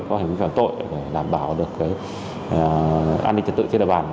có hành vi phạm tội để đảm bảo an ninh tật tự trên địa bàn